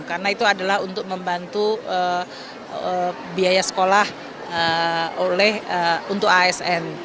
karena itu adalah untuk membantu biaya sekolah untuk asn